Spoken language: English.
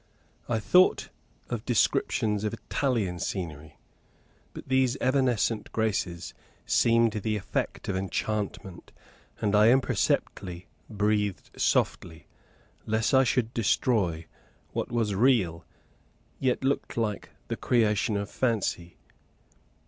I thought of descriptions of Italian scenery. But these evanescent graces seemed the effect of enchantment; and I imperceptibly breathed softly, lest I should destroy what was real, yet looked so like the creation of fancy.